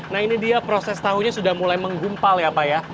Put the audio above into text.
nah ini dia proses tahunya sudah mulai menggumpal ya pak ya